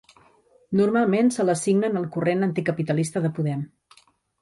Normalment se l'assigna en el corrent Anticapitalista de Podem.